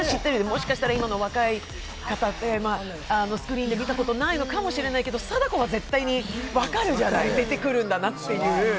もしかしたら今の若い方って、スクリーンで見たことないかもしれないけど貞子は絶対分かるじゃない、出てくるんだなっていう。